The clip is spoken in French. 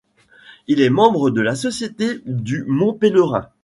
Il est membre de la Société du Mont Pèlerin.